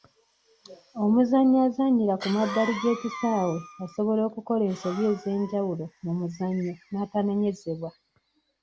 Omuzannyi azannyira ku mabbali g'ekisaawe asobola okukola ensobi ez'enjawulo mu muzannyo n'atanenyezebwa.